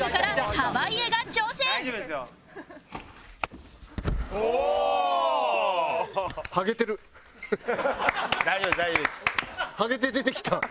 ハゲて出てきた。